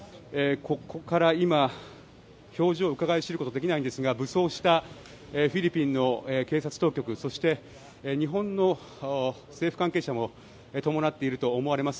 ここから今、表情をうかがい知ることはできないんですが武装したフィリピンの警察当局そして、日本の政府関係者も伴っていると思われます。